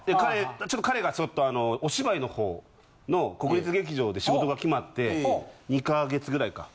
ちょっと彼がちょっとあのお芝居のほうの国立劇場で仕事が決まって２か月ぐらいか。